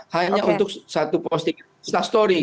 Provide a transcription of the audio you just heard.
hanya untuk satu posting instastory